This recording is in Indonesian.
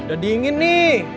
udah dingin nih